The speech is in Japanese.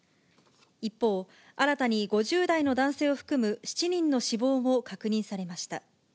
一方、新たに５０代の男性を含む７人の死亡も確認されました。